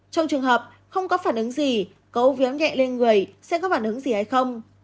trong trường hợp không có phản ứng gì có viếng nhẹ lên người sẽ có phản ứng gì hay không